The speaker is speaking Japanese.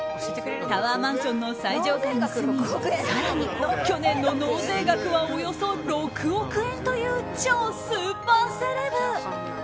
タワーマンションの最上階に住み更に、去年の納税額はおよそ６億円という超スーパーセレブ。